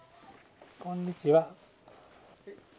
こんにちは。